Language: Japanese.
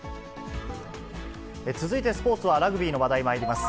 続いてスポーツはラグビーの話題、まいります。